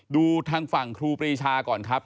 ดูทางฝั่งครูปรีชาก่อนครับ